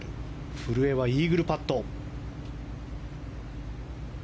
古江はイーグルパット。